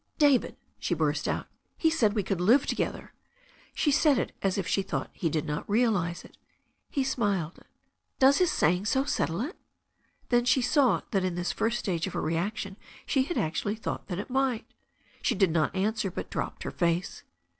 "David," she burst out, "he said we could live together." She said it as if she thought he did not realize it. He smiled. "Does his siiying so settle it?" Then she saw that in this first stage of her reaction she had actually thought that it might. She did not answer, but dropped her face.